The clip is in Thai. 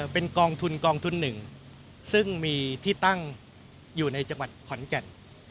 เป็นกองทุนกองทุนหนึ่งซึ่งมีที่ตั้งอยู่ในจังหวัดขอนแก่น